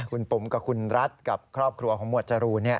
คุณปุ๋มกับคุณรัฐกับครอบครัวของหมวดจรูน